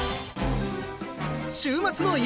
週末のＥ